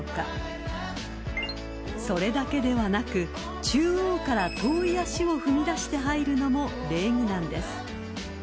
［それだけではなく中央から遠い足を踏み出して入るのも礼儀なんです］